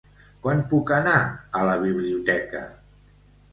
Quan puc anar a la biblioteca?